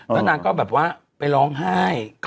พอนางก็แบบไปร้องไห้